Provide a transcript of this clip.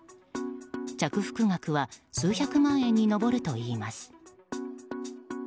着服額は数百万円に上るといいます。